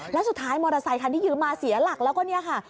แล้วสุดท้ายมอเตอร์ไซคันที่ยืมมาเสียหลักแล้วก็เนี่ยค่ะ